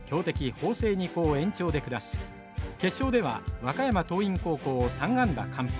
法政二高を延長で下し決勝では和歌山桐蔭高校を３安打完封。